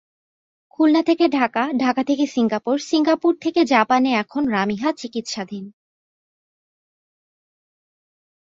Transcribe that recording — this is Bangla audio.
খুলনা থেকে ঢাকা, ঢাকা থেকে সিঙ্গাপুর, সিঙ্গাপুর থেকে জাপানে এখন রামিহা চিকিৎসাধীন।